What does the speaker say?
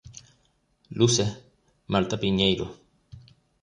Luces: Marta Piñeiro.